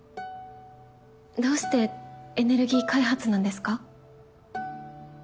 どうしてエネルギー開発なんですか？